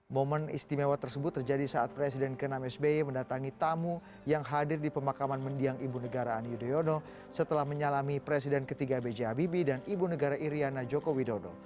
momen istimewa tersebut terjadi saat presiden ke enam sby mendatangi tamu yang hadir di pemakaman mendiang ibu negara ani yudhoyono setelah menyalami presiden ketiga b j habibie dan ibu negara iryana joko widodo